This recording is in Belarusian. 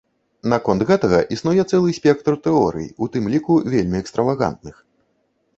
Наконт гэтага існуе цэлы спектр тэорый, у тым ліку вельмі экстравагантных.